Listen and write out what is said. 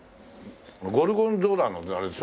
ゴルゴンゾーラのあれでしょ？